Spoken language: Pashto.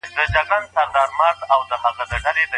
د کمعقل انسان منځګړيتوب څنګه دی؟